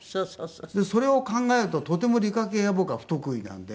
それを考えるととても理科系は僕は不得意なんで。